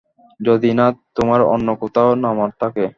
যদি না তোমার অন্য কোথাও নামার থাকে।